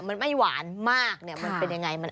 ไม่หวานมากเลยมันเป็นยังไง